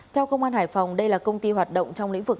theo công an hải phòng đây là công ty hoạt động trong lĩnh vực